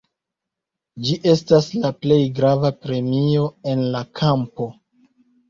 Ĝi estas la plej grava premio en la kampo.